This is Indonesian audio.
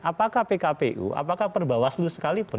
apakah pkpu apakah perbawaslu sekalipun